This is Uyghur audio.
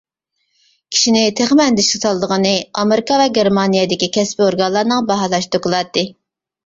كىشىنى تېخىمۇ ئەندىشىگە سالىدىغىنى ئامېرىكا ۋە گېرمانىيەدىكى كەسپىي ئورگانلارنىڭ باھالاش دوكلاتى.